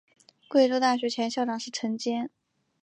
贵州大学前任校长是陈坚。